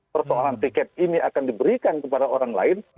persoalan tiket ini akan diberikan kepada orang lain